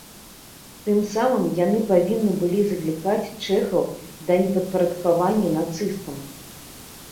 Тым самым яны павінны былі заклікаць чэхаў да непадпарадкавання нацыстам.